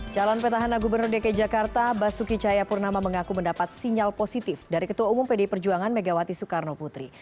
calon petahana gubernur dki jakarta basuki cahayapurnama mengaku mendapat sinyal positif dari ketua umum pdi perjuangan megawati soekarno putri